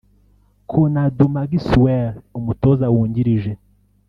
Konadu Maxwell (Umutoza wungirije)